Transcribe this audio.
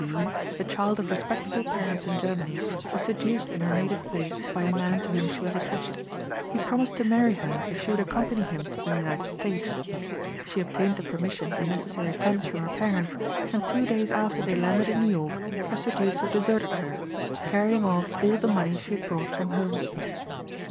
B., the child of respectable parents in Germany, was seduced in her native place by a man to whom she was attached. He promised to marry her if she would accompany him to the United States. She obtained the permission and necessary funds from her parents, and two days after they landed in New York her seducer deserted her, carrying off all the money she had brought from home.